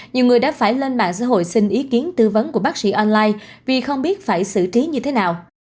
nhiều người đã phải lên mạng xã hội xin ý kiến tư vấn của bác sĩ online vì không biết phải xử trí như thế nào